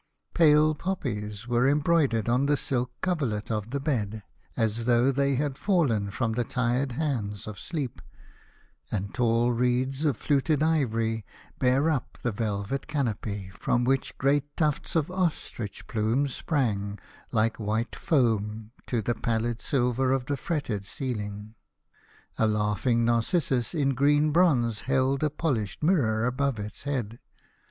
Pale poppies were broidered on the silk coverlet of the bed, as though they had fallen from the tired hands of sleep, and tall reeds of fluted ivory bare up the velvet canopy, from which great tufts of ostrich plumes sprang, like white foam, to the pallid silver of the fretted ceiling. A laughing Narcissus in green bronze held a polished mirror above its head.